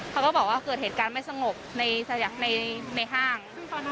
เขาก็บอกว่าเกิดเหตุการณ์ไม่สงบในห้าง